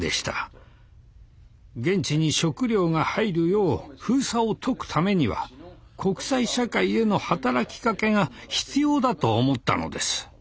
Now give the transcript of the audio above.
現地に食料が入るよう封鎖を解くためには国際社会への働きかけが必要だと思ったのです。